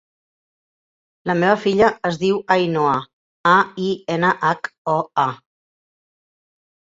La meva filla es diu Ainhoa: a, i, ena, hac, o, a.